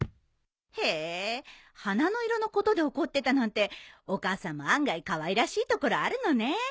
へぇ花の色のことで怒ってたなんてお母さんも案外かわいらしいところあるのね。